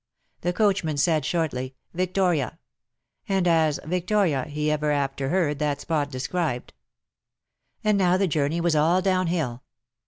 The coachman said shortly^ " Victoria/^ and a& " Victoria" he ever after heard that spot described. And now the journey was all downhill.